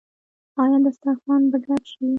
آیا دسترخان به ډک شي؟